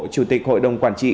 chủ tịch hội đồng quản trị